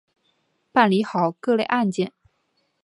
办理好各类案件